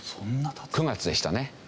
９月でしたね。